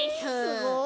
すごい。